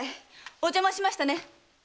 お邪魔しましたね！